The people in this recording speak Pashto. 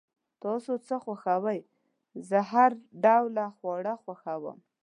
تاسو څه خوښوئ؟ زه هر ډوله خواړه خوښوم